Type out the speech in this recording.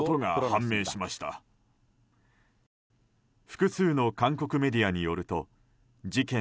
複数の韓国メディアによると事件